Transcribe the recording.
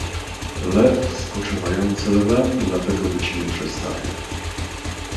"Lew spoczywający lwem dla tego być nie przestaje."